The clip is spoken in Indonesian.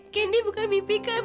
candy bukan mimpi kan